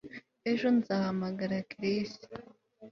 Ejo nzahamagara Chris